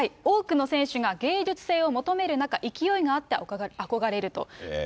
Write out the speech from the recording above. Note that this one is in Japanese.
多くの選手が芸術性を求める中、勢いがあって憧れると。